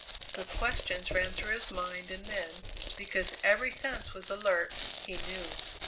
The questions ran through his mind and then, because every sense was alert, he knew!